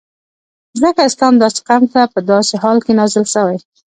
ځکه اسلام داسی قوم ته په داسی حال کی نازل سوی